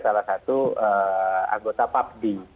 salah satu anggota papdi